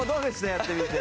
やってみて。